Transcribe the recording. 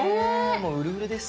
もううるうるです。